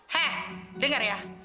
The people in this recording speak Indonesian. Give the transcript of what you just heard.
heh denger ya